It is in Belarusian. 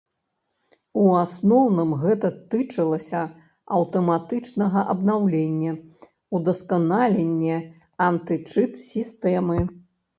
У асноўным гэта тычылася аўтаматычнага абнаўлення, удасканалення антычыт-сістэмы.